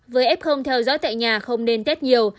với f theo dõi tại nhà không nên tết nhiều